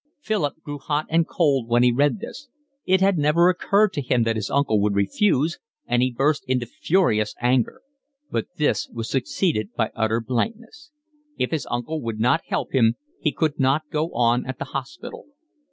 Philip grew hot and cold when he read this. It had never occurred to him that his uncle would refuse, and he burst into furious anger; but this was succeeded by utter blankness: if his uncle would not help him he could not go on at the hospital.